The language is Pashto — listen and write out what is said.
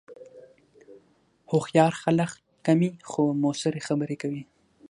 هوښیار خلک کمې، خو مؤثرې خبرې کوي